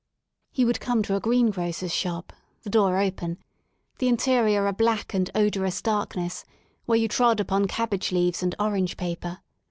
He wouldcome to a greengrocer's shop, the door open, the interior a black and odorous darkness, where you trod upon cabbage leaves and orange paper.